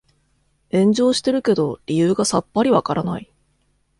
炎上してるけど理由がさっぱりわからない